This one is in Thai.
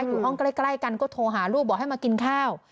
อยู่ห้องใกล้กันก็โทรหาลูกบอกให้มากินข้าว